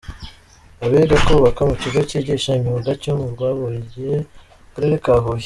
Abiga kubaka ku kigo cyigisha imyuga cyo mu Rwabuye mu karere ka Huye.